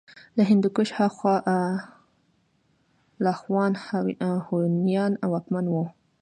له هندوکش هاخوا الخون هونيان واکمن وو